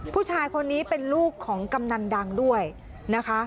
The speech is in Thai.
ผู้ชายคนนี้เป็นลูกของกำนันดังด้วยนะคะ